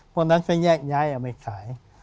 วันนั้นก็แยกย้ายเอาไปขาย